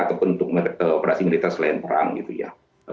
ataupun untuk operasi militer selain perang gitu ya